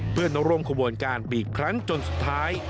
เพื่อนร่วมขบวนการอีกครั้งจนสุดท้าย